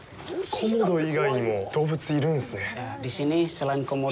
コモド以外にも動物がいるんですね。